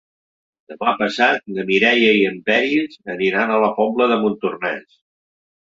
Demà passat na Mireia i en Peris aniran a la Pobla de Montornès.